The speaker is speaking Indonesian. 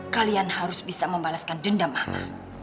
kalian harus bisa membalaskan dendam allah